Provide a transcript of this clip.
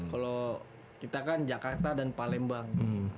kalau kita kan jakarta dan palembang